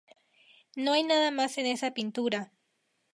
No hay nada más en esta pintura".